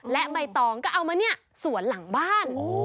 และใบตองก็เอามาเนี่ยสวนหลังบ้าน